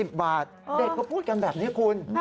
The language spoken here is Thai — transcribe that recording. เด็กก็พูดกันแบบนี้คุณ